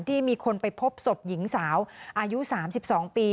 ที่มีคนไปพบศพหญิงสาวอายุ๓๒ปี